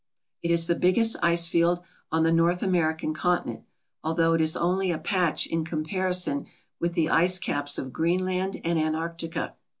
It is the biggest ice field on the North American continent although it is only a patch in comparison with the ice caps of Greenland and Antarctica.